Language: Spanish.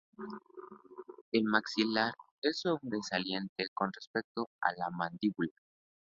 El maxilar es sobresaliente con respecto a la mandíbula.